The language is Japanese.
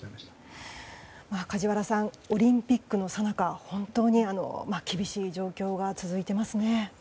梶原さん、オリンピックのさなか本当に厳しい状況が続いていますね。